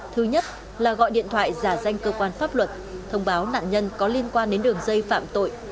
thứ nhất là gọi điện thoại giả danh cơ quan pháp luật thông báo nạn nhân có liên quan đến đường dây phạm tội